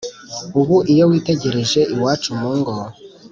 .Ubu iyo witegereje iwacu mu ngo